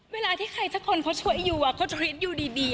เวลาที่ใครสักคนเขาช่วยอายุเขาทรีตอายุดี